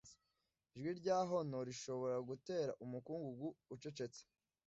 ijwi rya honour rishobora gutera umukungugu ucecetse,